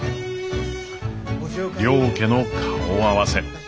両家の顔合わせ。